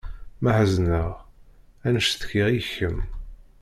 Ma ḥezneɣ ad n-cetkiɣ i kemm.